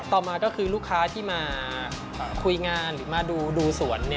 ต่อมาก็คือลูกค้าที่มาคุยงานหรือมาดูสวน